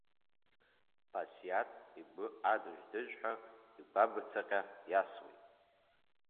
Басиаҭ игәы адыжә-дыжәҳәа игәабыцаҟьа иасуеит.